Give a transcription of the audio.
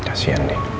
nggak kecewa lagi